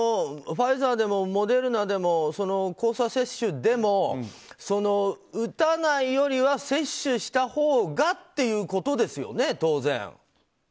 ファイザーでもモデルナでも交差接種でも打たないよりは接種したほうがっていうことですよね、当然。